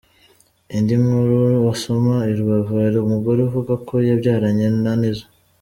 Indi nkuru wasoma : I Rubavu hari umugore uvuga ko yabyaranye na Nizzo.